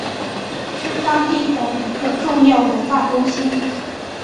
是当地的一个重要的文化中心。